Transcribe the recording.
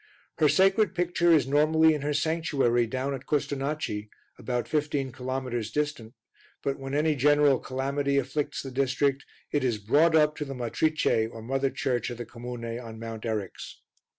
Her sacred picture is normally in her sanctuary down at Custonaci, about 15 kilometres distant, but when any general calamity afflicts the district, it is brought up to the Matrice or Mother Church of the comune on Mount Eryx.